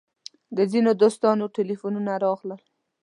د ځینو دوستانو تیلفونونه راغلل.